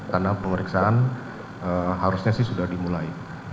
karena pemeriksaan harusnya sudah dimulai